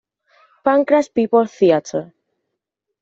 Pancras People's Theatre.